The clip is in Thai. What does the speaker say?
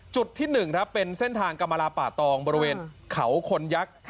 จุดที่๑ครับเป็นเส้นทางกรรมลาป่าตองบริเวณเขาคนยักษ์